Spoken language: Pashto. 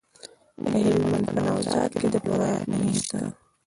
د هلمند په نوزاد کې د فلورایټ نښې شته.